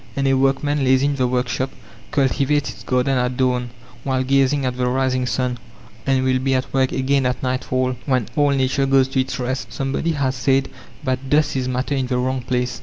And a workman, lazy in the workshop, cultivates his garden at dawn, while gazing at the rising sun, and will be at work again at nightfall, when all nature goes to its rest. Somebody has said that dust is matter in the wrong place.